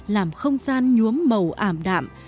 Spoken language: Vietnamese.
làm không gian nhuốm màu ảm đạm